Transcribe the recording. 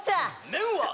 麺は？